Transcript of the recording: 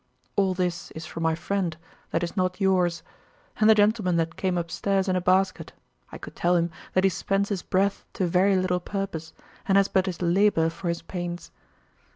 All this is [from] my friend, that is not yours; and the gentleman that came upstairs in a basket, I could tell him that he spends his breath to very little purpose, and has but his labour for his pains.